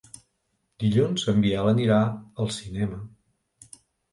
Dilluns en Biel anirà al cinema.